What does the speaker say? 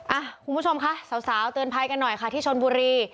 คุณผู้ชมค่ะสาวเตือนภัยกันหน่อยค่ะที่ชนบุรี